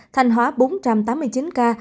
thành hóa bốn trăm tám mươi chín ca